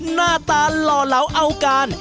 หน้าตาหล่อเหลาเอาการ